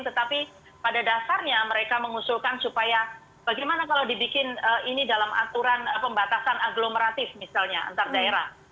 tetapi pada dasarnya mereka mengusulkan supaya bagaimana kalau dibikin ini dalam aturan pembatasan aglomeratif misalnya antar daerah